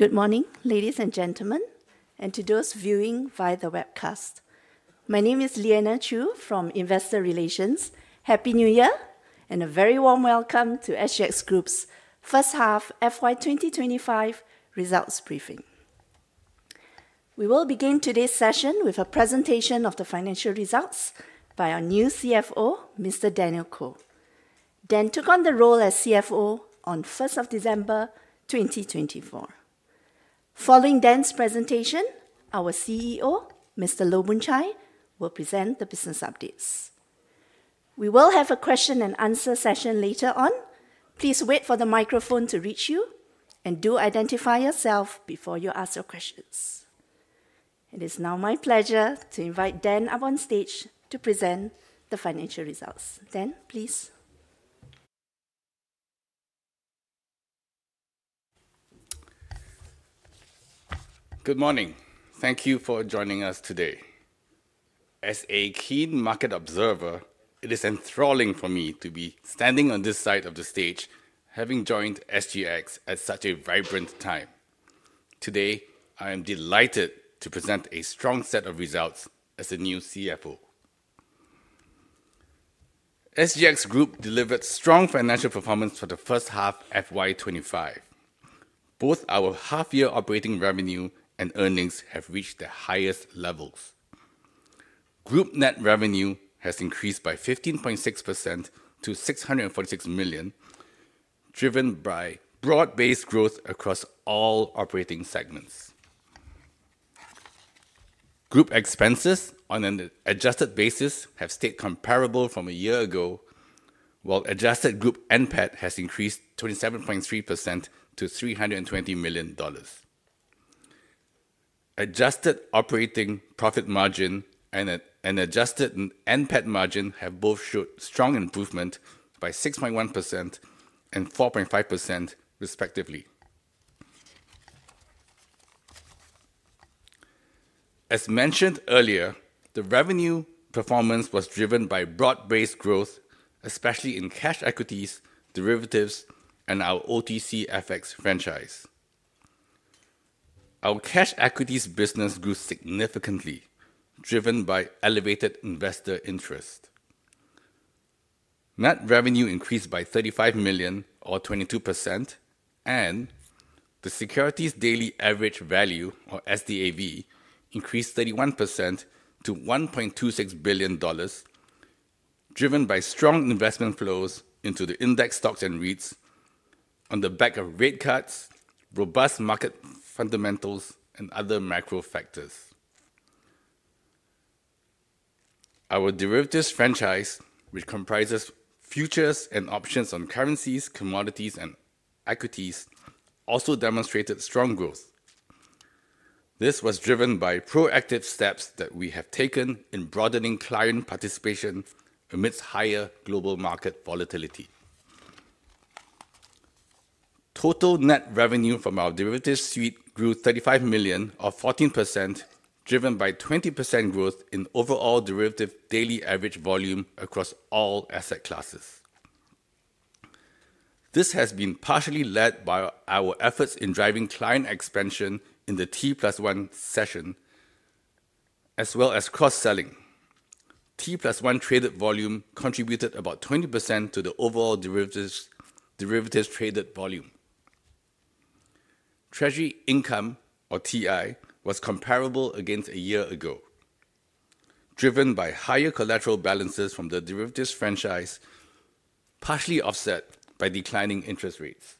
Good morning, ladies and gentlemen, and to those viewing via the webcast. My name is Liana Chu from Investor Relations. Happy New Year and a very warm welcome to SGX Group's First Half FY 2025 Results Briefing. We will begin today's session with a presentation of the financial results by our new CFO, Mr. Daniel Koh. Dan took on the role as CFO on 1st of December 2024. Following Dan's presentation, our CEO, Mr. Loh Boon Chye, will present the business updates. We will have a question-and-answer session later on. Please wait for the microphone to reach you, and do identify yourself before you ask your questions. It is now my pleasure to invite Dan up on stage to present the financial results. Dan, please. Good morning. Thank you for joining us today. As a keen market observer, it is enthralling for me to be standing on this side of the stage, having joined SGX at such a vibrant time. Today, I am delighted to present a strong set of results as the new CFO. SGX Group delivered strong financial performance for the first half FY 2025. Both our half-year operating revenue and earnings have reached their highest levels. Group net revenue has increased by 15.6% to 646 million, driven by broad-based growth across all operating segments. Group expenses, on an adjusted basis, have stayed comparable from a year ago, while adjusted group NPAT has increased 27.3% to SGD 320 million. Adjusted operating profit margin and adjusted NPAT margin have both showed strong improvement by 6.1% and 4.5%, respectively. As mentioned earlier, the revenue performance was driven by broad-based growth, especially in cash equities, derivatives, and our OTC FX franchise. Our cash equities business grew significantly, driven by elevated investor interest. Net revenue increased by 35 million, or 22%, and the securities daily average value, or SDAV, increased 31% to 1.26 billion dollars, driven by strong investment flows into the index stocks and REITs on the back of rate cuts, robust market fundamentals, and other macro factors. Our derivatives franchise, which comprises futures and options on currencies, commodities, and equities, also demonstrated strong growth. This was driven by proactive steps that we have taken in broadening client participation amidst higher global market volatility. Total net revenue from our derivatives suite grew 35 million, or 14%, driven by 20% growth in overall derivative daily average volume across all asset classes. This has been partially led by our efforts in driving client expansion in the T+1 session, as well as cross-selling. T+1 traded volume contributed about 20% to the overall derivatives traded volume. Treasury income, or TI, was comparable against a year ago, driven by higher collateral balances from the derivatives franchise, partially offset by declining interest rates.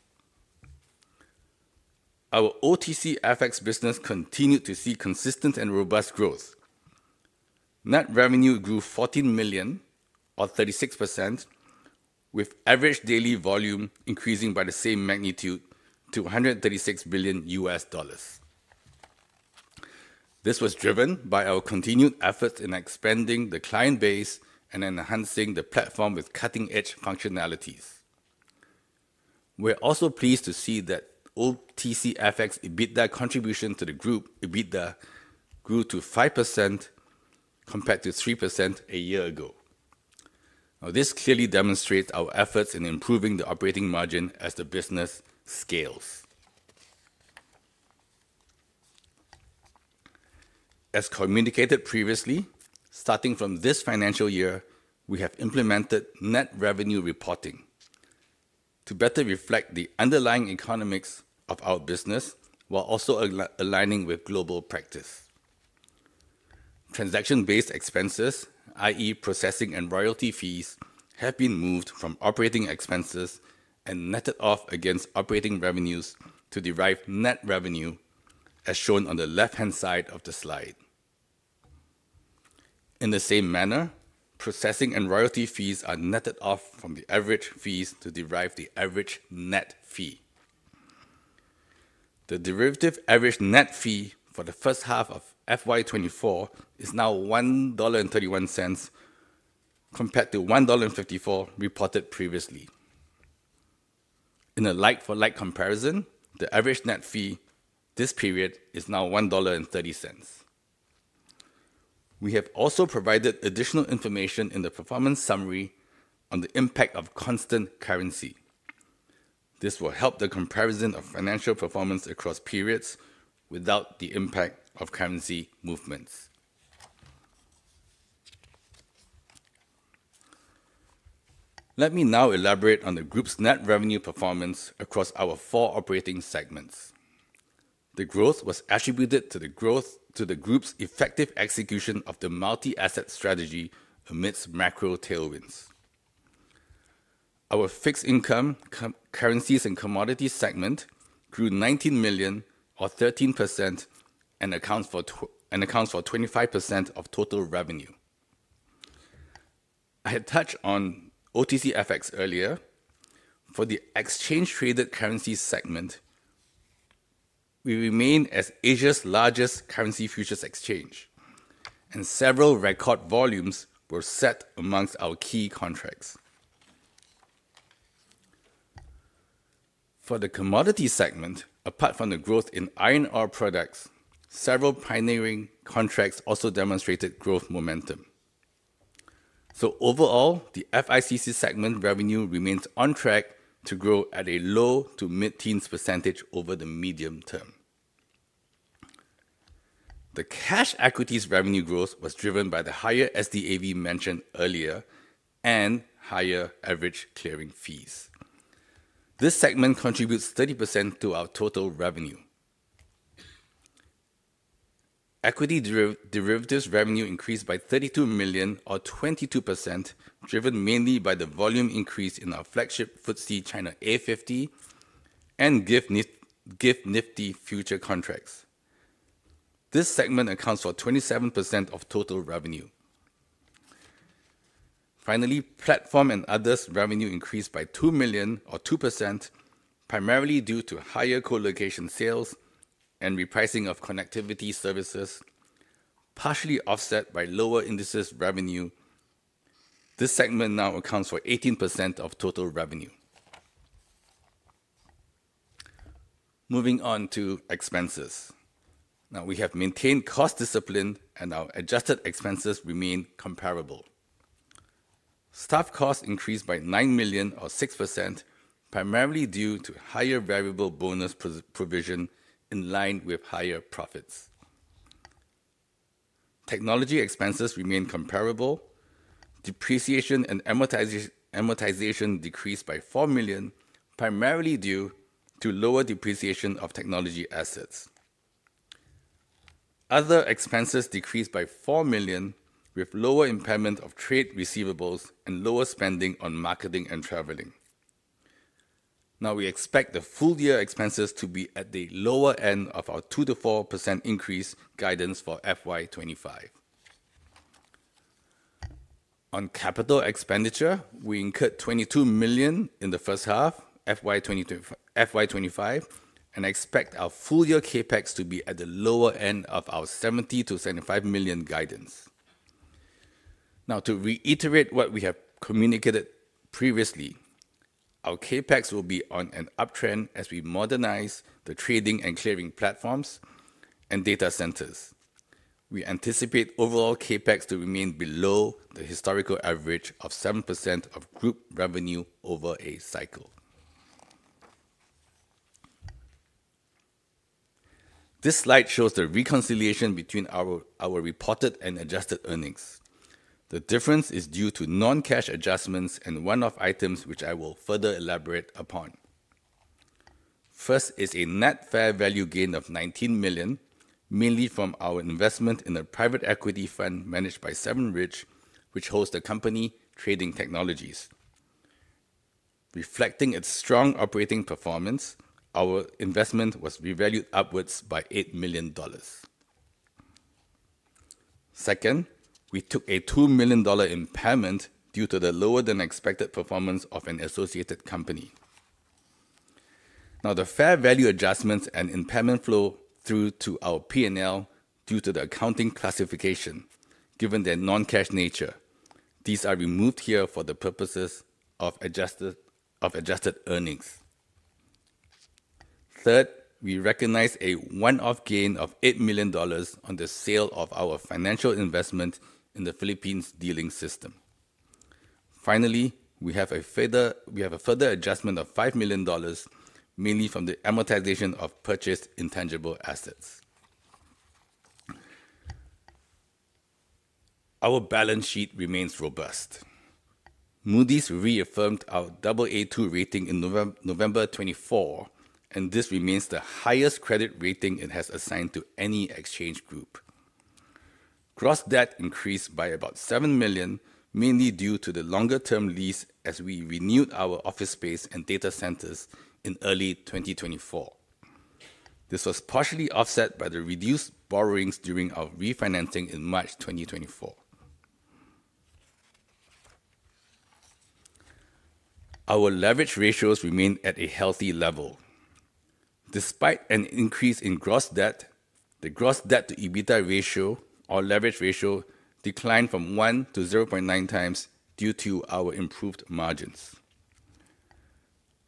Our OTC FX business continued to see consistent and robust growth. Net revenue grew 14 million, or 36%, with average daily volume increasing by the same magnitude to $136 billion. This was driven by our continued efforts in expanding the client base and enhancing the platform with cutting-edge functionalities. We are also pleased to see that OTC FX EBITDA contribution to the Group EBITDA grew to 5% compared to 3% a year ago. This clearly demonstrates our efforts in improving the operating margin as the business scales. As communicated previously, starting from this financial year, we have implemented net revenue reporting to better reflect the underlying economics of our business while also aligning with global practice. Transaction-based expenses, i.e., processing and royalty fees, have been moved from operating expenses and netted off against operating revenues to derive net revenue, as shown on the left-hand side of the slide. In the same manner, processing and royalty fees are netted off from the average fees to derive the average net fee. The derivative average net fee for the first half of FY 2024 is now 1.31 dollar compared to 1.54 dollar reported previously. In a like-for-like comparison, the average net fee this period is now 1.30 dollar. We have also provided additional information in the performance summary on the impact of constant currency. This will help the comparison of financial performance across periods without the impact of currency movements. Let me now elaborate on the Group's net revenue performance across our four operating segments. The growth was attributed to the Group's effective execution of the multi-asset strategy amidst macro tailwinds. Our Fixed Income, Currencies and Commodities segment grew 19 million, or 13%, and accounts for 25% of total revenue. I had touched on OTC FX earlier. For the exchange-traded currency segment, we remain as Asia's largest currency futures exchange, and several record volumes were set amongst our key contracts. For the commodity segment, apart from the growth in iron ore products, several pioneering contracts also demonstrated growth momentum. So overall, the FICC segment revenue remains on track to grow at a low- to mid-teens % over the medium term. The cash equities revenue growth was driven by the higher SDAV mentioned earlier and higher average clearing fees. This segment contributes 30% to our total revenue. Equity derivatives revenue increased by 32 million, or 22%, driven mainly by the volume increase in our flagship FTSE China A50 and GIFT Nifty futures contracts. This segment accounts for 27% of total revenue. Finally, Platform and Others' revenue increased by 2 million, or 2%, primarily due to higher colocation sales and repricing of connectivity services, partially offset by lower indices revenue. This segment now accounts for 18% of total revenue. Moving on to expenses. Now, we have maintained cost discipline, and our adjusted expenses remain comparable. Staff costs increased by 9 million, or 6%, primarily due to higher variable bonus provision in line with higher profits. Technology expenses remain comparable. Depreciation and amortization decreased by 4 million, primarily due to lower depreciation of technology assets. Other expenses decreased by 4 million, with lower impairment of trade receivables and lower spending on marketing and traveling. Now, we expect the full-year expenses to be at the lower end of our 2%-4% increase guidance for FY 2025. On capital expenditure, we incurred 22 million in the first half FY 2025 and expect our full-year CapEx to be at the lower end of our 70-75 million guidance. Now, to reiterate what we have communicated previously, our CapEx will be on an uptrend as we modernize the trading and clearing platforms and data centers. We anticipate overall CapEx to remain below the historical average of 7% of Group revenue over a cycle. This slide shows the reconciliation between our reported and adjusted earnings. The difference is due to non-cash adjustments and one-off items, which I will further elaborate upon. First is a net fair value gain of 19 million, mainly from our investment in a private equity fund managed by 7RIDGE, which holds the company Trading Technologies. Reflecting its strong operating performance, our investment was revalued upwards by 8 million dollars. Second, we took a 2 million dollar impairment due to the lower-than-expected performance of an associated company. Now, the fair value adjustments and impairment flow through to our P&L due to the accounting classification, given their non-cash nature. These are removed here for the purposes of adjusted earnings. Third, we recognize a one-off gain of 8 million dollars on the sale of our financial investment in the Philippine Dealing System. Finally, we have a further adjustment of 5 million dollars, mainly from the amortization of purchased intangible assets. Our balance sheet remains robust. Moody's reaffirmed our Aa2 rating in November 2024, and this remains the highest credit rating it has assigned to any exchange group. Gross debt increased by about 7 million, mainly due to the longer-term lease as we renewed our office space and data centers in early 2024. This was partially offset by the reduced borrowings during our refinancing in March 2024. Our leverage ratios remain at a healthy level. Despite an increase in gross debt, the gross debt-to-EBITDA ratio, or leverage ratio, declined from one to 0.9 times due to our improved margins.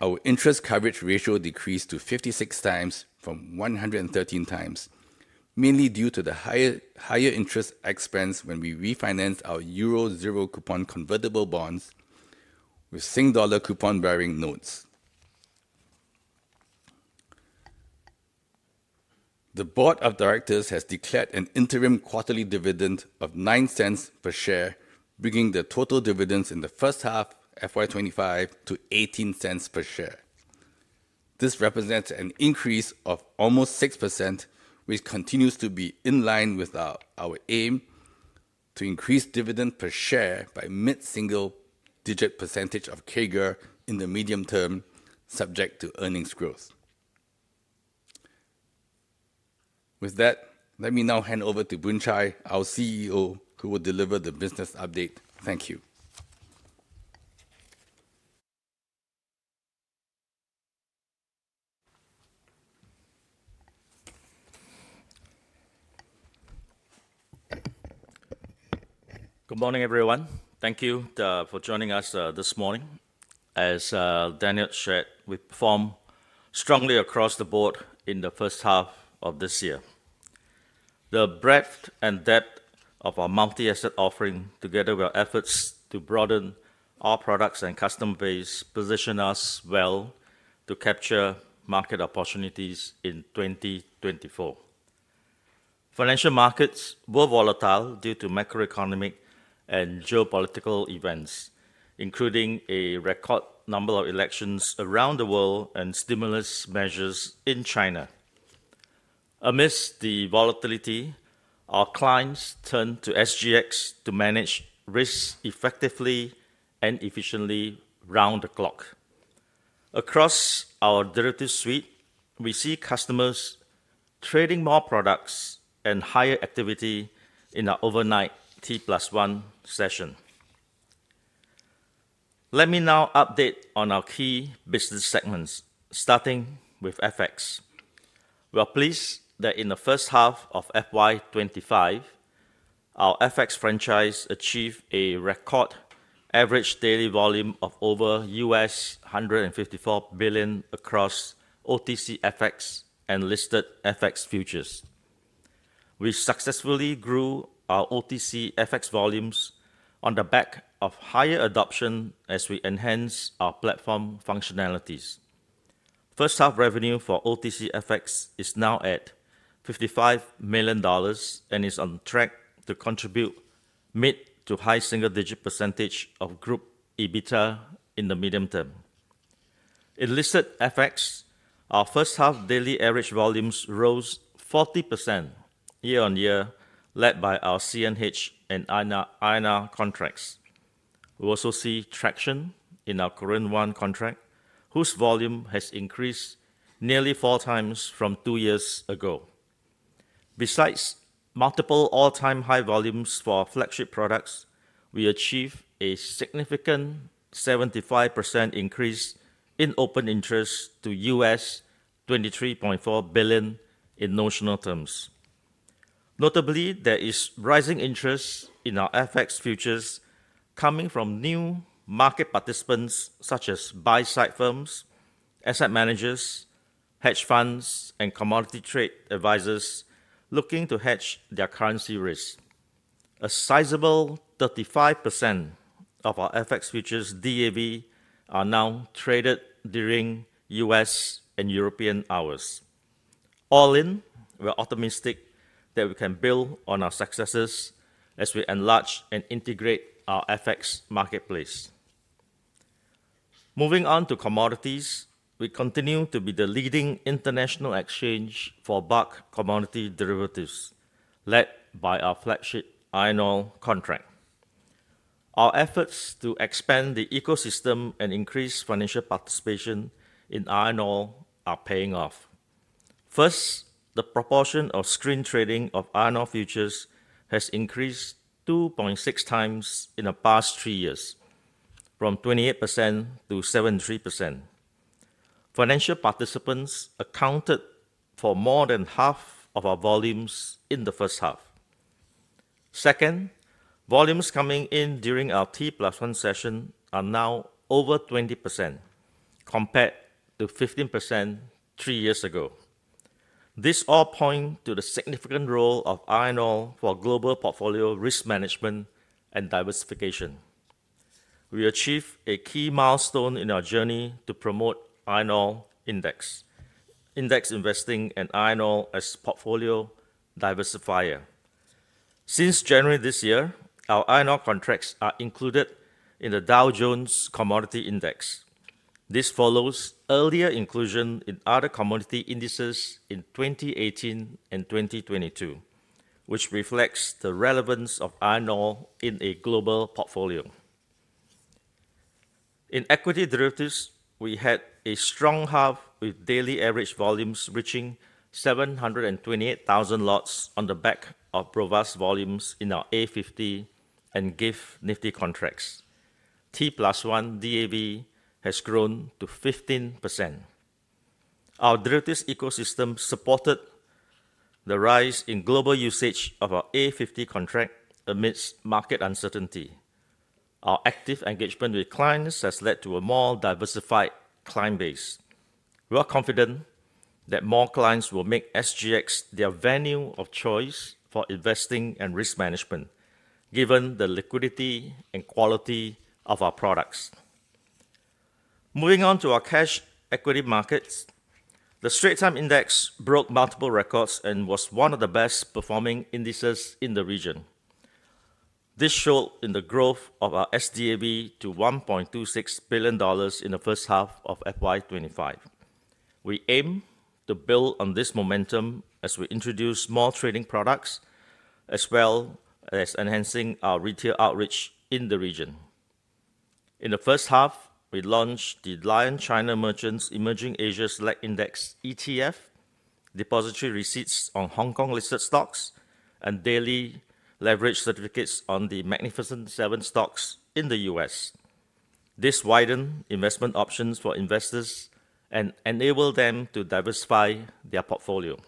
Our interest coverage ratio decreased to 56 times from 113 times, mainly due to the higher interest expense when we refinanced our Euro zero-coupon convertible bonds with SGD coupon-bearing notes. The Board of Directors has declared an interim quarterly dividend of 0.09 per share, bringing the total dividends in the first half FY 2025 to 0.18 per share. This represents an increase of almost 6%, which continues to be in line with our aim to increase dividend per share by mid-single-digit percentage of CAGR in the medium term, subject to earnings growth. With that, let me now hand over to Boon Chye, our CEO, who will deliver the business update. Thank you. Good morning, everyone. Thank you for joining us this morning. As Daniel shared, we performed strongly across the board in the first half of this year. The breadth and depth of our multi-asset offering, together with our efforts to broaden our products and customer base, position us well to capture market opportunities in 2024. Financial markets were volatile due to macroeconomic and geopolitical events, including a record number of elections around the world and stimulus measures in China. Amidst the volatility, our clients turned to SGX to manage risk effectively and efficiently round the clock. Across our derivatives suite, we see customers trading more products and higher activity in our overnight T+1 session. Let me now update on our key business segments, starting with FX. We are pleased that in the first half of FY 2025, our FX franchise achieved a record average daily volume of over $154 billion across OTC FX and listed FX futures. We successfully grew our OTC FX volumes on the back of higher adoption as we enhanced our platform functionalities. First-half revenue for OTC FX is now at $55 million and is on track to contribute mid- to high single-digit % of Group EBITDA in the medium term. In listed FX, our first-half daily average volumes rose 40% year-on-year, led by our CNH and INR contracts. We also see traction in our Korean Won contract, whose volume has increased nearly four times from two years ago. Besides multiple all-time high volumes for flagship products, we achieved a significant 75% increase in open interest to $23.4 billion in notional terms. Notably, there is rising interest in our FX futures coming from new market participants such as buy-side firms, asset managers, hedge funds, and Commodity Trading Advisors looking to hedge their currency risk. A sizable 35% of our FX futures DAV are now traded during U.S. and European hours. All in, we are optimistic that we can build on our successes as we enlarge and integrate our FX marketplace. Moving on to commodities, we continue to be the leading international exchange for bulk commodity derivatives, led by our flagship iron ore contract. Our efforts to expand the ecosystem and increase financial participation in iron ore are paying off. First, the proportion of screen trading of iron ore futures has increased 2.6 times in the past three years, from 28%-73%. Financial participants accounted for more than half of our volumes in the first half. Second, volumes coming in during our T+1 session are now over 20%, compared to 15% three years ago. This all points to the significant role of iron ore for global portfolio risk management and diversification. We achieved a key milestone in our journey to promote iron ore index, index investing in iron ore as a portfolio diversifier. Since January this year, our iron ore contracts are included in the Dow Jones Commodity Index. This follows earlier inclusion in other commodity indices in 2018 and 2022, which reflects the relevance of iron ore in a global portfolio. In equity derivatives, we had a strong half with daily average volumes reaching 728,000 lots on the back of broad-based volumes in our A50 and GIFT Nifty contracts. T+1 DAV has grown to 15%. Our derivatives ecosystem supported the rise in global usage of our A50 contract amidst market uncertainty. Our active engagement with clients has led to a more diversified client base. We are confident that more clients will make SGX their venue of choice for investing and risk management, given the liquidity and quality of our products. Moving on to our cash equity markets, the Straits Times Index broke multiple records and was one of the best-performing indices in the region. This showed in the growth of our SDAV to SGD 1.26 billion in the first half of FY 2025. We aim to build on this momentum as we introduce more trading products, as well as enhancing our retail outreach in the region. In the first half, we launched the Lion-China Merchants Emerging Asia Select Index ETF, depository receipts on Hong Kong-listed stocks, and Daily Leverage Certificates on the Magnificent Seven stocks in the US. This widens investment options for investors and enables them to diversify their portfolio.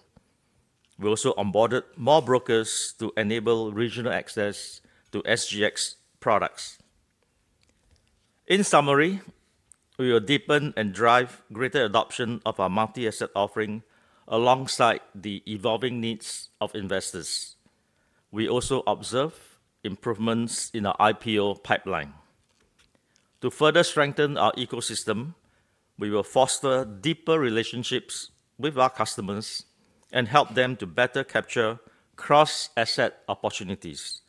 We also onboarded more brokers to enable regional access to SGX products. In summary, we will deepen and drive greater adoption of our multi-asset offering alongside the evolving needs of investors. We also observe improvements in our IPO pipeline. To further strengthen our ecosystem, we will foster deeper relationships with our customers and help them to better capture cross-asset opportunities.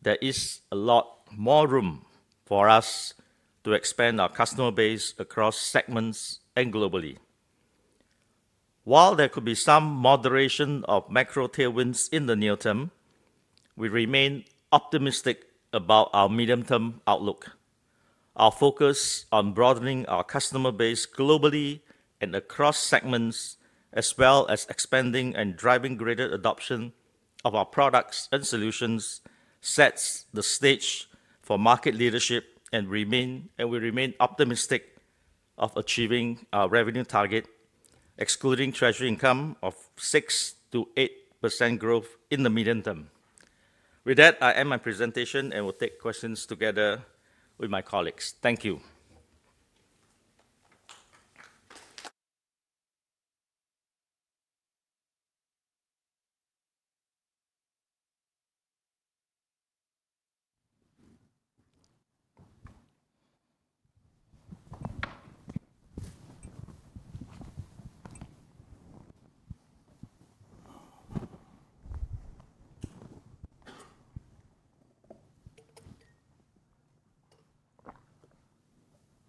There is a lot more room for us to expand our customer base across segments and globally. While there could be some moderation of macro tailwinds in the near term, we remain optimistic about our medium-term outlook. Our focus on broadening our customer base globally and across segments, as well as expanding and driving greater adoption of our products and solutions, sets the stage for market leadership, and we remain optimistic of achieving our revenue target, excluding Treasury income of 6%-8% growth in the medium term. With that, I end my presentation and will take questions together with my colleagues. Thank you.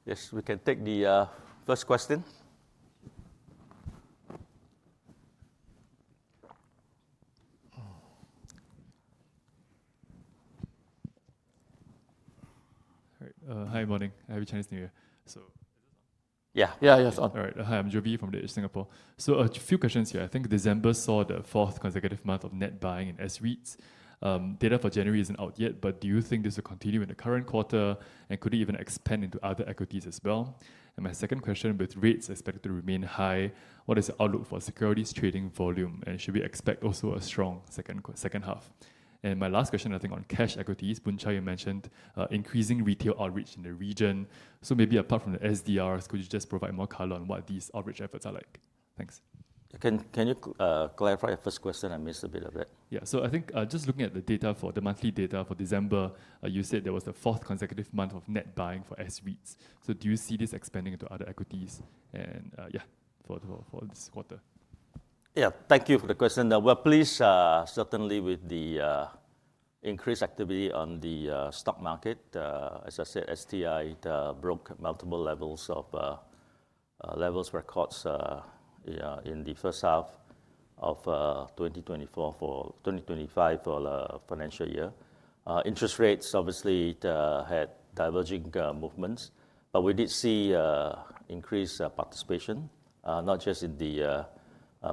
Yes, we can take the first question. Hi, good morning. Happy Chinese New Year. So, is this on? Yeah, yeah, yeah, it's on. All right. Hi, I'm Jovi from Singapore. So, a few questions here. I think December saw the fourth consecutive month of net buying in S-REITs. Data for January isn't out yet, but do you think this will continue in the current quarter, and could it even expand into other equities as well? And my second question, with rates expected to remain high, what is the outlook for securities trading volume, and should we expect also a strong second half? And my last question, I think, on cash equities, Boon Chye, you mentioned increasing retail outreach in the region. So, maybe apart from the SDRs, could you just provide more color on what these outreach efforts are like? Thanks. Can you clarify your first question? I missed a bit of it. Yeah, so I think just looking at the data for the monthly data for December, you said there was the fourth consecutive month of net buying for S-REITs. Do you see this expanding into other equities? And yeah, for this quarter? Yeah, thank you for the question. We are pleased, certainly, with the increased activity on the stock market. As I said, STI broke multiple levels of records in the first half of 2024 for 2025 for the financial year. Interest rates, obviously, had diverging movements, but we did see increased participation, not just in the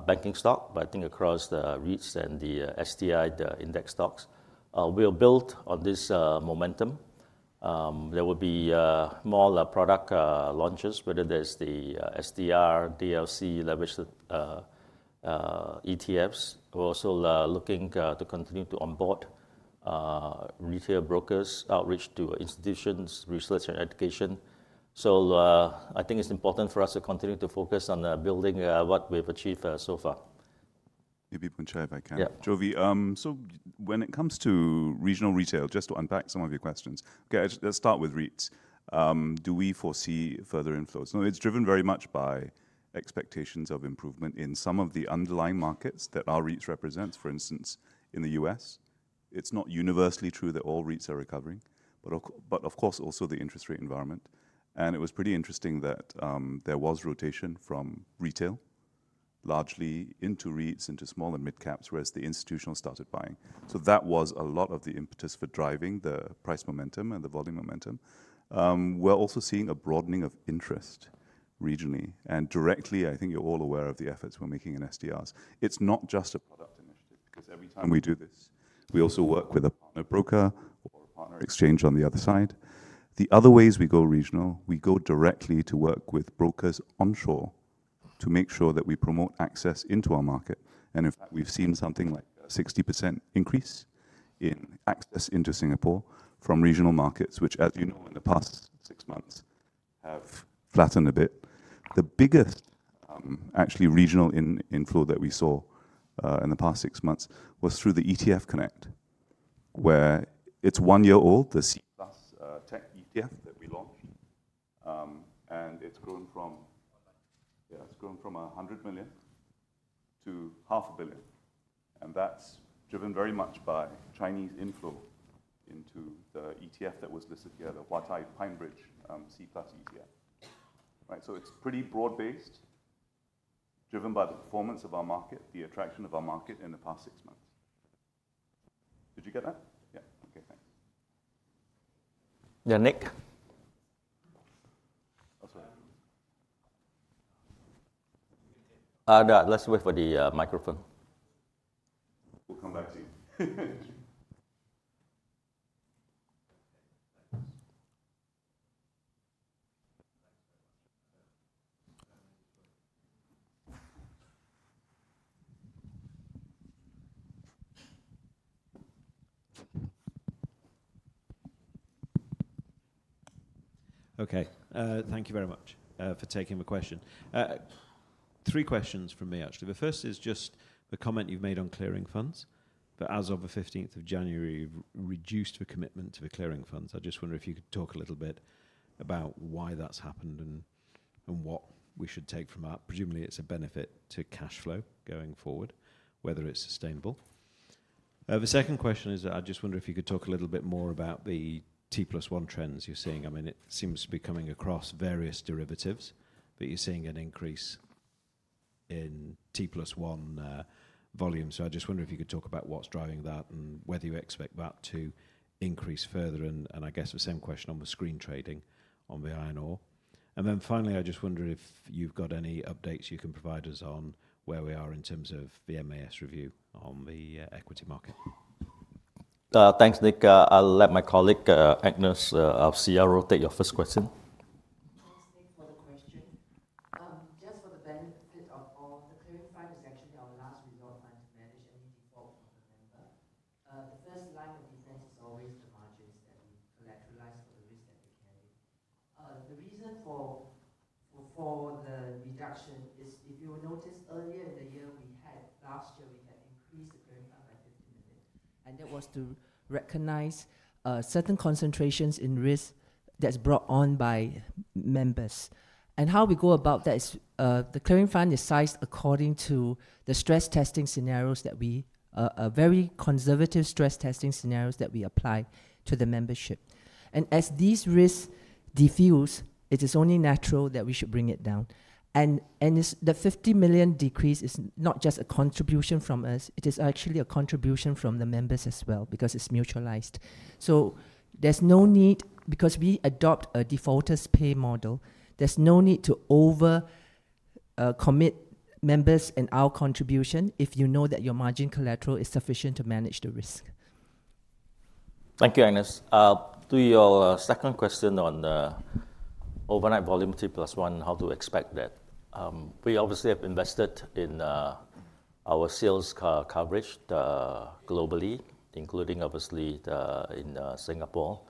banking stock, but I think across the REITs and the STI, the index stocks. We will build on this momentum. There will be more product launches, whether that's the SDR, DLC, leveraged ETFs. We're also looking to continue to onboard retail brokers, outreach to institutions, research, and education. I think it's important for us to continue to focus on building what we've achieved so far. Maybe Boon Chye, if I can. Jovie, so when it comes to regional retail, just to unpack some of your questions, okay, let's start with REITs. Do we foresee further inflows? No, it's driven very much by expectations of improvement in some of the underlying markets that our REITs represent, for instance, in the U.S. It's not universally true that all REITs are recovering, but of course, also the interest rate environment, and it was pretty interesting that there was rotation from retail largely into REITs, into small and mid-caps, whereas the institutional started buying, so that was a lot of the impetus for driving the price momentum and the volume momentum. We're also seeing a broadening of interest regionally, and directly, I think you're all aware of the efforts we're making in SDRs. It's not just a product initiative, because every time we do this, we also work with a partner broker or a partner exchange on the other side. The other ways we go regional, we go directly to work with brokers onshore to make sure that we promote access into our market. And in fact, we've seen something like a 60% increase in access into Singapore from regional markets, which, as you know, in the past six months have flattened a bit. The biggest, actually, regional inflow that we saw in the past six months was through the ETF Connect, where it's one year old, the SEA+ TECH ETF that we launched. And it's grown from, yeah, it's grown from 100 million-500 million. And that's driven very much by Chinese inflow into the ETF that was listed here, the Huatai-PineBridge SEA+ ETF. Right, so it's pretty broad-based, driven by the performance of our market, the attraction of our market in the past six months. Did you get that? Yeah, okay, thanks. Yeah, Nick. Oh, sorry. No, that's away from the microphone. We'll come back to you. Okay, thank you very much for taking the question. Three questions from me, actually. The first is just the comment you've made on clearing funds. But as of the 15th of January, you've reduced your commitment to the clearing funds. I just wonder if you could talk a little bit about why that's happened and what we should take from that. Presumably, it's a benefit to cash flow going forward, whether it's sustainable. The second question is that I just wonder if you could talk a little bit more about the T+1 trends you're seeing. I mean, it seems to be coming across various derivatives, but you're seeing an increase in T+1 volume. So, I just wonder if you could talk about what's driving that and whether you expect that to increase further. And I guess the same question on the SGX trading on the iron ore. And then finally, I just wonder if you've got any updates you can provide us on where we are in terms of the MAS review on the equity market. Thanks, Nick. I'll let my colleague Agnes, our CRO take your first question. The 50 million decrease is not just a contribution from us. It is actually a contribution from the members as well, because it's mutualized. There's no need, because we adopt a defaulters' pay model, there's no need to over-commit members and our contribution if you know that your margin collateral is sufficient to manage the risk. Thank you, Agnes. To your second question on the overnight volume T+1, how to expect that? We obviously have invested in our sales coverage globally, including, obviously, in Singapore.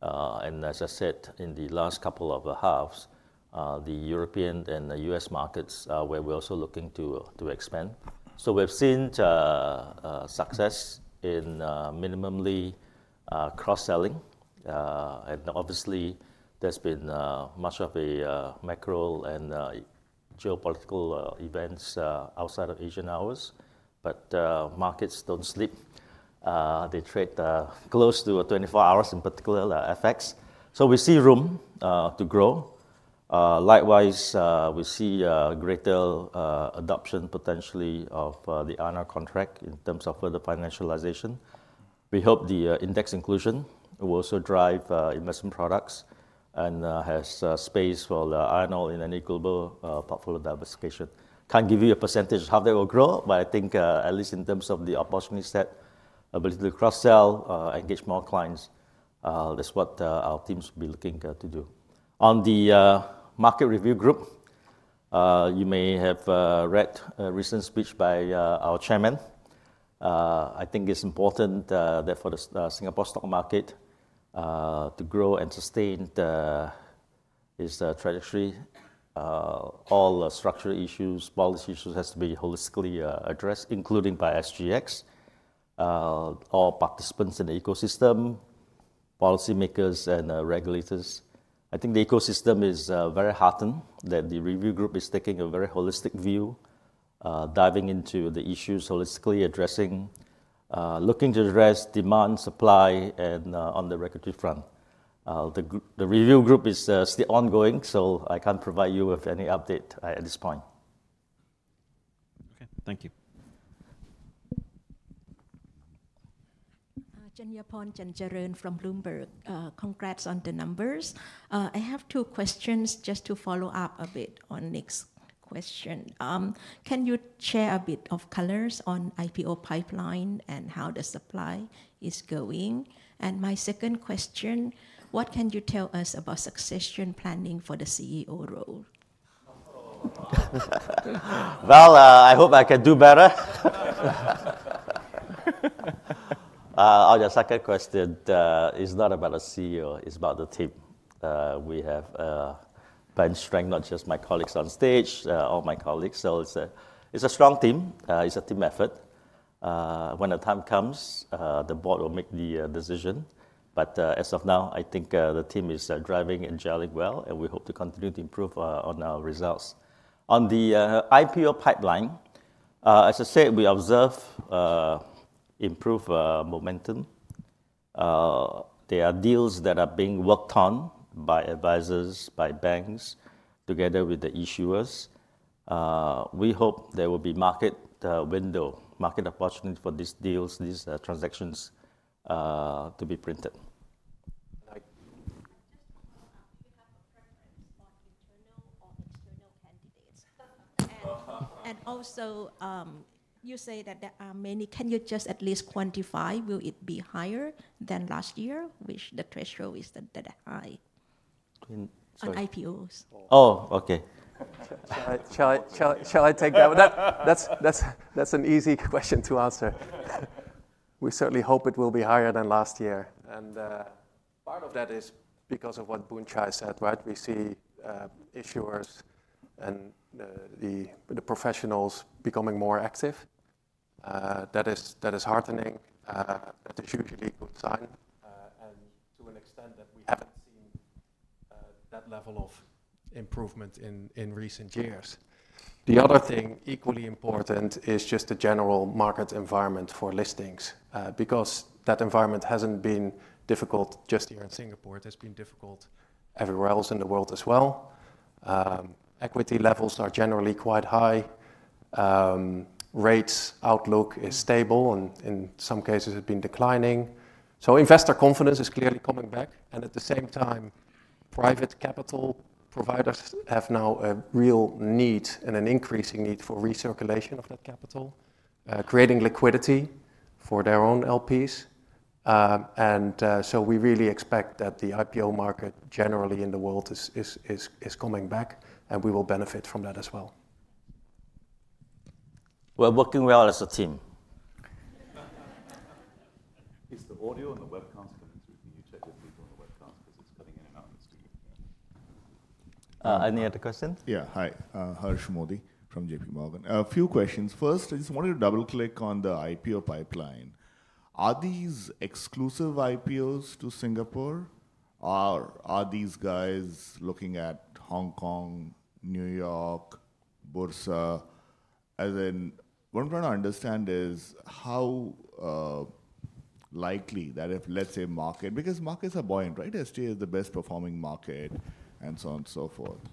And as I said, in the last couple of halves, the European and the U.S. markets where we're also looking to expand. So, we've seen success in minimally cross-selling. And obviously, there's been much of a macro and geopolitical events outside of Asian hours. But markets don't sleep. They trade close to 24 hours in particular, FX. So, we see room to grow. Likewise, we see greater adoption potentially of the iron ore contract in terms of further financialization. We hope the index inclusion will also drive investment products and has space for the iron ore in any global portfolio diversification. Can't give you a percentage of how they will grow, but I think at least in terms of the opportunity set, ability to cross-sell, engage more clients, that's what our teams will be looking to do. On the Review Group, you may have read a recent speech by our chairman. I think it's important that for the Singapore stock market to grow and sustain its trajectory. All structural issues, policy issues have to be holistically addressed, including by SGX, all participants in the ecosystem, policymakers, and regulators. I think the ecosystem is very heartened that the Review Group is taking a very holistic view, diving into the issues holistically, addressing, looking to address demand, supply, and on the regulatory front. The Review Group is still ongoing, so I can't provide you with any update at this point. Okay, thank you. Chanyaporn Chanjaroen from Bloomberg. Congrats on the numbers. I have two questions just to follow up a bit on Nick's question. Can you share a bit of colors on IPO pipeline and how the supply is going? And my second question, what can you tell us about succession planning for the CEO role? I hope I can do better. Oh, yes, second question is not about the CEO. It's about the team we have, team's strength, not just my colleagues on stage, all my colleagues. So, it's a strong team. It's a team effort. When the time comes, the board will make the decision. But as of now, I think the team is driving and gelling well, and we hope to continue to improve on our results. On the IPO pipeline, as I said, we observe improved momentum. There are deals that are being worked on by advisors, by banks, together with the issuers. We hope there will be market window, market opportunity for these deals, these transactions to be printed. Just to follow up, do you have a preference for internal or external candidates? And also, you say that there are many, can you just at least quantify, will it be higher than last year, which the threshold is that high? On IPOs. Oh, okay. Shall I take that? That's an easy question to answer. We certainly hope it will be higher than last year. And part of that is because of what Boon Chye said, right? We see issuers and the professionals becoming more active. That is heartening. That is usually a good sign. And to an extent that we haven't seen that level of improvement in recent years. The other thing equally important is just the general market environment for listings, because that environment hasn't been difficult just here in Singapore. It has been difficult everywhere else in the world as well. Equity levels are generally quite high. Rates outlook is stable. In some cases, it's been declining. So, investor confidence is clearly coming back. And at the same time, private capital providers have now a real need and an increasing need for recirculation of that capital, creating liquidity for their own LPs. And so, we really expect that the IPO market generally in the world is coming back, and we will benefit from that as well. We're working well as a team. Is the audio and the webcast coming through? Can you check with people on the webcast because it's cutting in and out in the studio? Any other questions? Yeah, hi. Harsh Modi from J.P. Morgan. A few questions. First, I just wanted to double-click on the IPO pipeline. Are these exclusive IPOs to Singapore, or are these guys looking at Hong Kong, New York, Bursa? As in, what I'm trying to understand is how likely that if, let's say, market, because markets are buoyant, right? SGX is the best performing market and so on and so forth.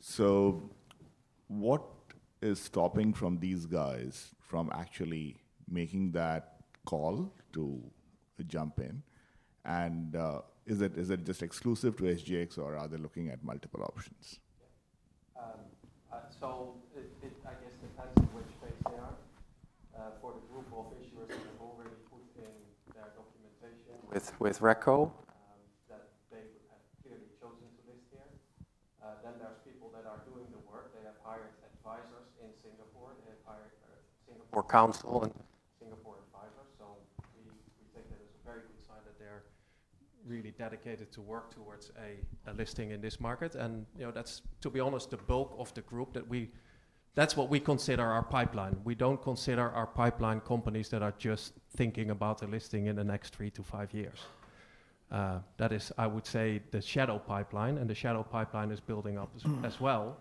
So, what is stopping these guys from actually making that call to jump in? And is it just exclusive to SGX, or are they looking at multiple options? So, I guess it depends on which phase they are. For the group of issuers that have already put in their documentation with RegCo that they have clearly chosen to list here. Then there are people that are doing the work. They have hired advisors in Singapore. They have hired Singapore counsel and Singapore advisors. We take that as a very good sign that they're really dedicated to work towards a listing in this market. And that's, to be honest, the bulk of the group, that's what we consider our pipeline. We don't consider our pipeline companies that are just thinking about a listing in the next three to five years. That is, I would say, the shadow pipeline. And the shadow pipeline is building up as well.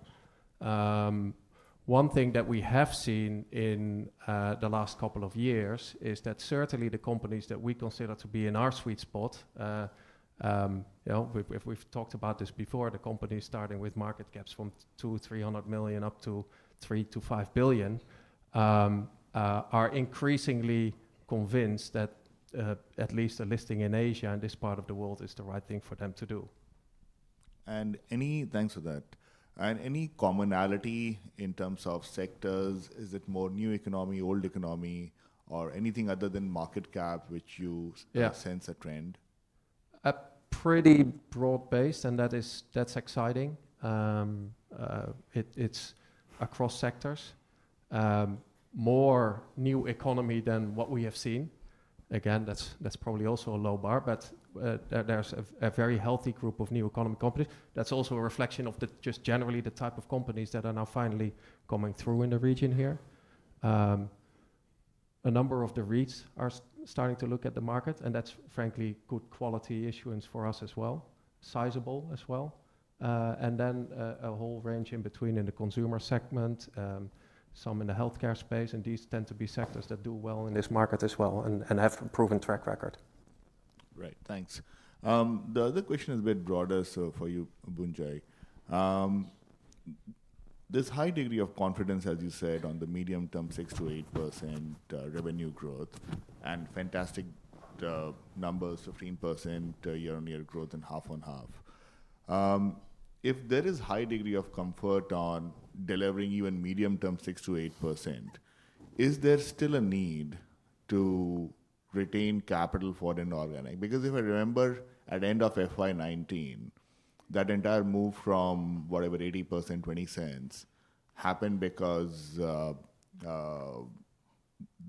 One thing that we have seen in the last couple of years is that certainly the companies that we consider to be in our sweet spot, we've talked about this before, the companies starting with market caps from 200-300 million up to 300-500 billion, are increasingly convinced that at least a listing in Asia and this part of the world is the right thing for them to do. Thank you for that. Any commonality in terms of sectors? Is it more new economy, old economy, or anything other than market cap, which you sense a trend? A pretty broad base, and that's exciting. It's across sectors. More new economy than what we have seen. Again, that's probably also a low bar, but there's a very healthy group of new economy companies. That's also a reflection of just generally the type of companies that are now finally coming through in the region here. A number of the REITs are starting to look at the market, and that's frankly good quality issuance for us as well, sizable as well. Then a whole range in between in the consumer segment, some in the healthcare space, and these tend to be sectors that do well in this market as well and have proven track record. Great, thanks. The other question is a bit broader for you, Loh Boon Chye. This high degree of confidence, as you said, on the medium term, 6%-8% revenue growth and fantastic numbers, 15% year-on-year growth and half on half. If there is a high degree of comfort on delivering even medium term, 6%-8%, is there still a need to retain capital for an organic? Because if I remember at the end of FY 2019, that entire move from whatever, 80%, 0.20 happened because the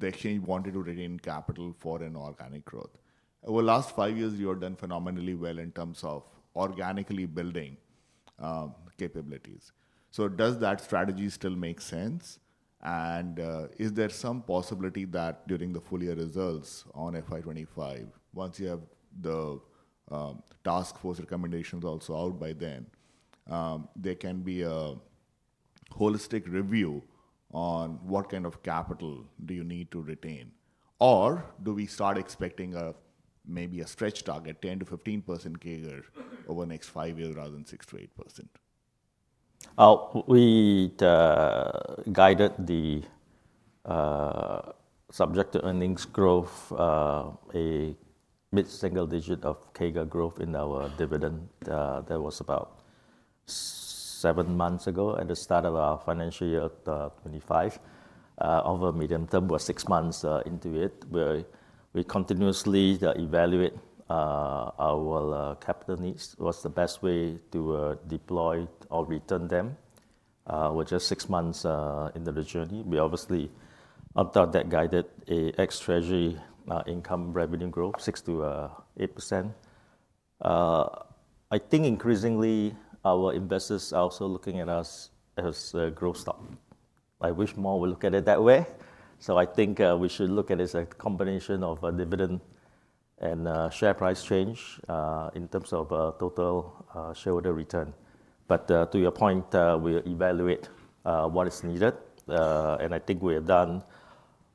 exchange wanted to retain capital for an organic growth. Over the last five years, you have done phenomenally well in terms of organically building capabilities. So, does that strategy still make sense? Is there some possibility that during the full year results on FY 2025, once you have the task force recommendations also out by then, there can be a holistic review on what kind of capital do you need to retain? Or do we start expecting maybe a stretch target, 10%-15% CAGR over the next five years rather than 6%-8%? We guided the subject to earnings growth, a mid-single digit of CAGR growth in our dividend. That was about seven months ago at the start of our financial year 2025. Over medium term was six months into it. We continuously evaluate our capital needs. What's the best way to deploy or return them? We're just six months into the journey. We obviously, after that, guided ex-treasury income revenue growth, 6%-8%. I think increasingly our investors are also looking at us as a growth stock. I wish more would look at it that way. So, I think we should look at it as a combination of dividend and share price change in terms of total shareholder return. But to your point, we evaluate what is needed. And I think we have done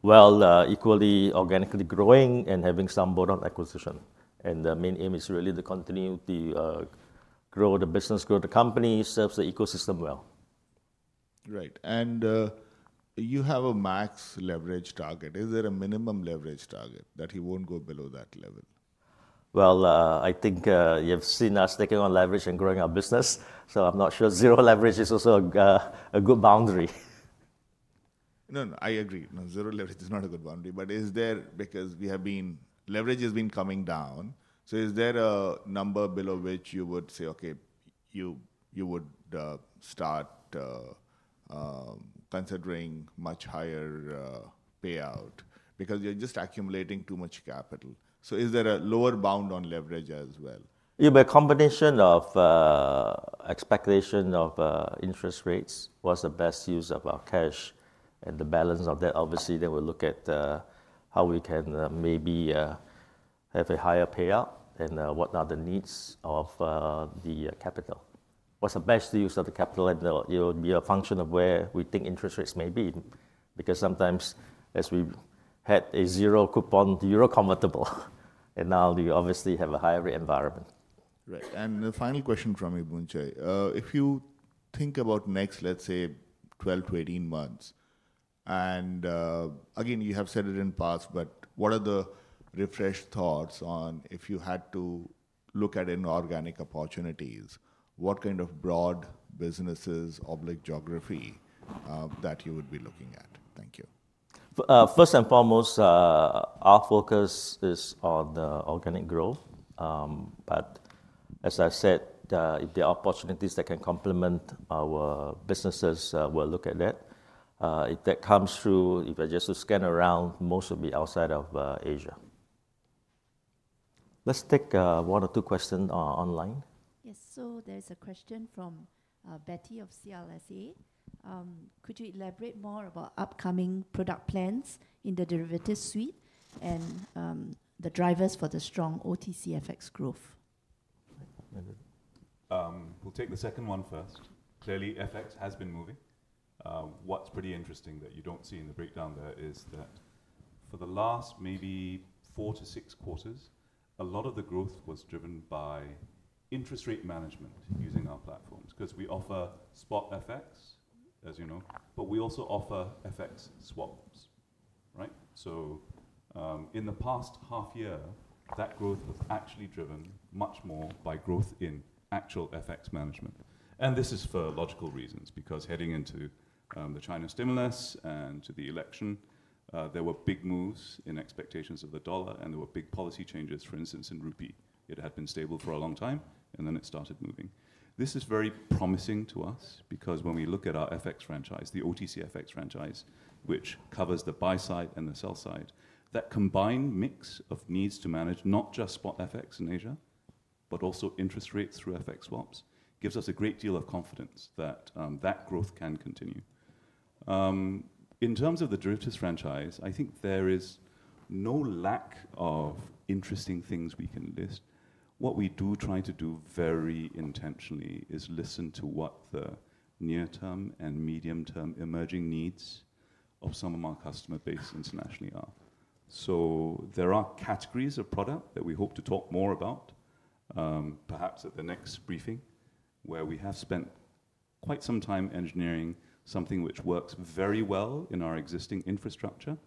well equally organically growing and having some bolt-on acquisition. And the main aim is really to continue to grow the business, grow the company, serve the ecosystem well. Great. And you have a max leverage target. Is there a minimum leverage target that you won't go below that level? Well, I think you've seen us taking on leverage and growing our business. So, I'm not sure zero leverage is also a good boundary. No, no, I agree. Zero leverage is not a good boundary. But is there, because we have been leverage has been coming down, so is there a number below which you would say, okay, you would start considering much higher payout because you're just accumulating too much capital? So, is there a lower bound on leverage as well? Yeah, by combination of expectation of interest rates, what's the best use of our cash and the balance of that? Obviously, then we'll look at how we can maybe have a higher payout and what are the needs of the capital. What's the best use of the capital? And it will be a function of where we think interest rates may be. Because sometimes as we had a zero coupon, zero convertible, and now we obviously have a higher rate environment. Right. And the final question from you, Boon Chye Loh. If you think about the next, let's say, 12-18 months, and again, you have said it in the past, but what are the refreshed thoughts on if you had to look at inorganic opportunities, what kind of broad businesses or like geography that you would be looking at? Thank you. First and foremost, our focus is on the organic growth. But as I said, if there are opportunities that can complement our businesses, we'll look at that. If that comes through, if it's just to scan around, most will be outside of Asia. Let's take one or two questions online. Yes, so there's a question from Betty of CLSA. Could you elaborate more about upcoming product plans in the derivatives suite and the drivers for the strong OTC FX growth? We'll take the second one first. Clearly, FX has been moving. What's pretty interesting that you don't see in the breakdown there is that for the last maybe four to six quarters, a lot of the growth was driven by interest rate management using our platforms because we offer spot FX, as you know, but we also offer FX swaps. Right? So, in the past half year, that growth was actually driven much more by growth in actual FX management. And this is for logical reasons because heading into the China stimulus and to the election, there were big moves in expectations of the dollar, and there were big policy changes, for instance, in Rupee. It had been stable for a long time, and then it started moving. This is very promising to us because when we look at our FX franchise, the OTC FX franchise, which covers the buy side and the sell side, that combined mix of needs to manage not just spot FX in Asia, but also interest rates through FX swaps gives us a great deal of confidence that that growth can continue. In terms of the derivatives franchise, I think there is no lack of interesting things we can list. What we do try to do very intentionally is listen to what the near-term and medium-term emerging needs of some of our customer base internationally are. There are categories of product that we hope to talk more about, perhaps at the next briefing, where we have spent quite some time engineering something which works very well in our existing infrastructure,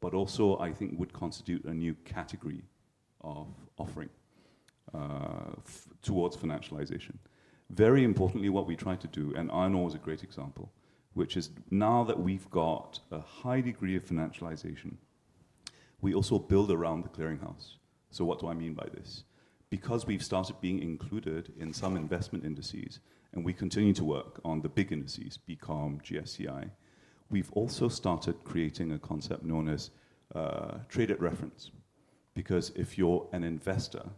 but also, I think, would constitute a new category of offering towards financialization. Very importantly, what we try to do, and Iron Ore is a great example, which is now that we've got a high degree of financialization, we also build around the clearing house. So, what do I mean by this? Because we've started being included in some investment indices, and we continue to work on the big indices, BCOM, GSCI, we've also started creating a concept known as traded reference. Because if you're an investor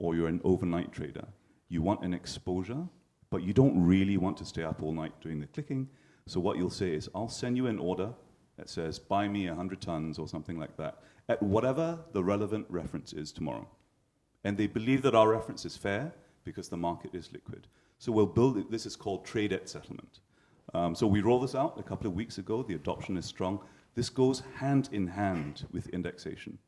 or you're an overnight trader, you want an exposure, but you don't really want to stay up all night doing the clicking. So, what you'll say is, I'll send you an order that says, buy me 100 tons or something like that at whatever the relevant reference is tomorrow. And they believe that our reference is fair because the market is liquid. So, we'll build it. This is called Trade at Settlement. So, we rolled this out a couple of weeks ago. The adoption is strong. This goes hand in hand with indexation.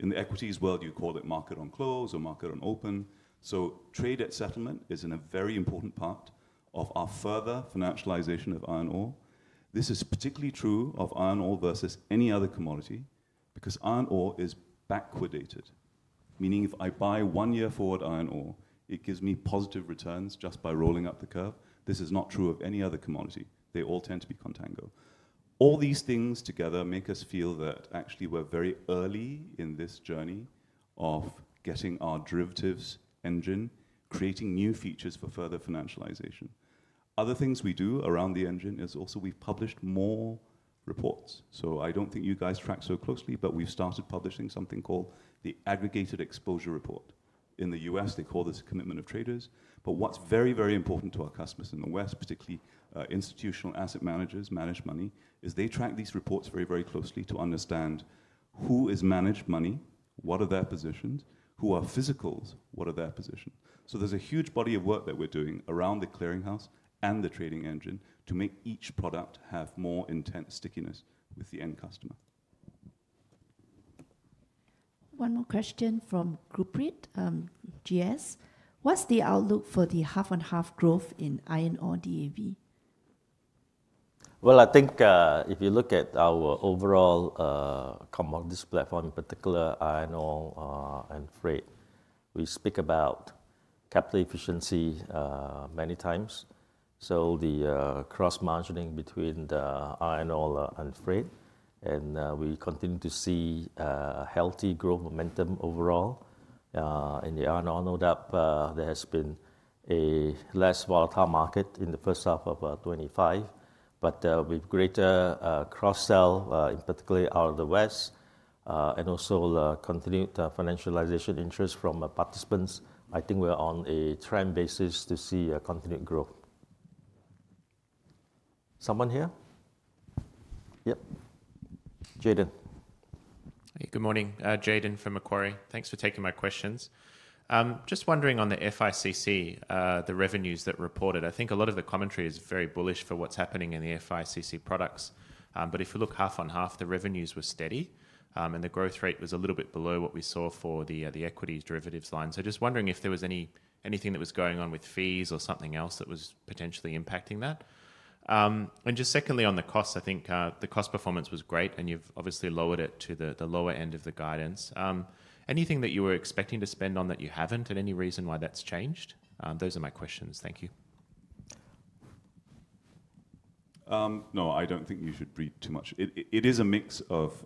In the equities world, you call it market on close or market on open. So, Trade at Settlement is a very important part of our further financialization of iron ore. This is particularly true of iron ore versus any other commodity because iron ore is backwardated, meaning if I buy one year forward iron ore, it gives me positive returns just by rolling up the curve. This is not true of any other commodity. They all tend to be contango. All these things together make us feel that actually we're very early in this journey of getting our derivatives engine, creating new features for further financialization. Other things we do around the engine is also we've published more reports. So, I don't think you guys track so closely, but we've started publishing something called the Aggregated Exposure Report. In the U.S., they call this a Commitment of Traders. But what's very, very important to our customers in the West, particularly institutional asset managers, manage money, is they track these reports very, very closely to understand who is managed money, what are their positions, who are physicals, what are their positions. So, there's a huge body of work that we're doing around the clearing house and the trading engine to make each product have more intense stickiness with the end customer. One more question from Gurpreet, GS. What's the outlook for the half on half growth in iron ore DAV? Well, I think if you look at our overall compounding platform, in particular iron ore and freight, we speak about capital efficiency many times. So, the cross-margining between the iron ore and freight, and we continue to see healthy growth momentum overall. In the iron ore note-up, there has been a less volatile market in the first half of 2025, but with greater cross-sell, in particular out of the West, and also the continued financialization interest from participants, I think we're on a trend basis to see a continued growth. Someone here? Yep. Jayden. Hey, good morning. Jayden from Macquarie. Thanks for taking my questions. Just wondering on the FICC, the revenues that reported, I think a lot of the commentary is very bullish for what's happening in the FICC products. But if you look half on half, the revenues were steady, and the growth rate was a little bit below what we saw for the equities derivatives line. So, just wondering if there was anything that was going on with fees or something else that was potentially impacting that. And just secondly, on the costs, I think the cost performance was great, and you've obviously lowered it to the lower end of the guidance. Anything that you were expecting to spend on that you haven't and any reason why that's changed? Those are my questions. Thank you. No, I don't think you should read too much. It is a mix of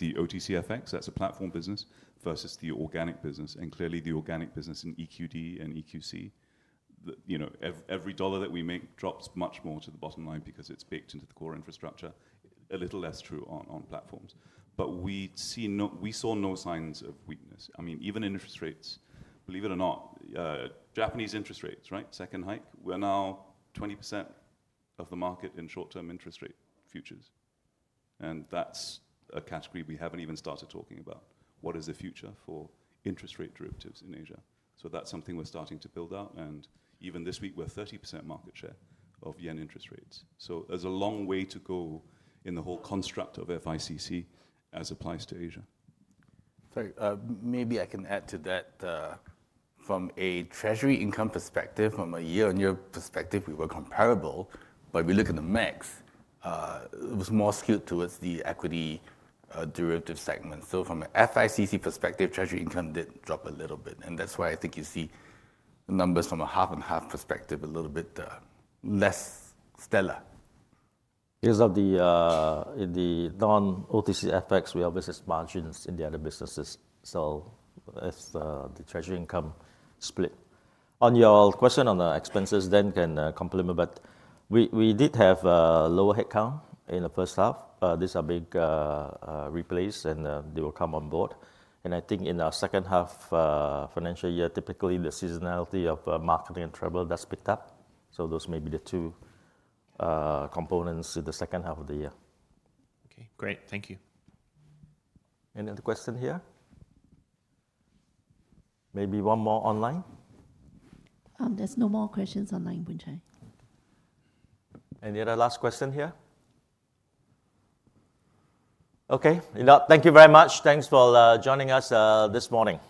the OTC FX, that's a platform business, versus the organic business. And clearly, the organic business in EQD and EQC, every dollar that we make drops much more to the bottom line because it's baked into the core infrastructure. A little less true on platforms. But we saw no signs of weakness. I mean, even interest rates, believe it or not, Japanese interest rates, right? Second hike. We're now 20% of the market in short-term interest rate futures. And that's a category we haven't even started talking about. What is the future for interest rate derivatives in Asia? So, that's something we're starting to build out. And even this week, we're 30% market share of yen interest rates. So, there's a long way to go in the whole construct of FICC as applies to Asia. Maybe I can add to that from a treasury income perspective. From a year-on-year perspective, we were comparable. But if you look at the mix, it was more skewed towards the equity derivative segment. So, from an FICC perspective, treasury income did drop a little bit. And that's why I think you see the numbers from a half-and-half perspective a little bit less stellar. Because of the non-OTC FX, we obviously have margins in the other businesses. So, it's the treasury income split. On your question on the expenses, Dan can complement, but we did have a lower headcount in the first half. This is a big replace, and they will come on board. And I think in our second half financial year, typically the seasonality of marketing and travel does pick up. So, those may be the two components in the second half of the year. Okay, great. Thank you. Any other question here? Maybe one more online? There's no more questions online, Boon Chye. Any other last question here? Okay. Thank you very much. Thanks for joining us this morning.